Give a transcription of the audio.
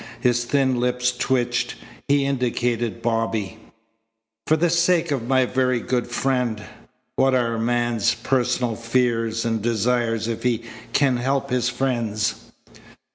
His thin lips twitched. He indicated Bobby. "For the sake of my very good friend. What are a man's personal fears and desires if he can help his friends?"